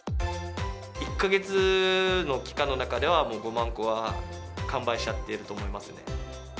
１か月の期間の中では、もう５万個は完売しちゃっていると思いますね。